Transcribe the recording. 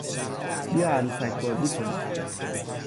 بیا عروسک بازی کنیم!